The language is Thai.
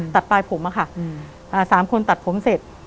ตัดปลายผมอะค่ะ๓คนตัดผมเสร็จ